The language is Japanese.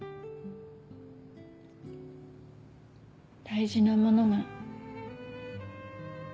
大事なものが。